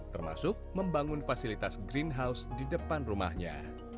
termasuk membangun fasilitas greenhouse di depan rumahnya